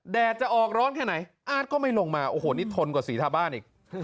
แดดจะออกร้อนแค่ไหนอาร์ตก็ไม่ลงมาโอ้โหนี่ทนกว่าสีทาบ้านอีก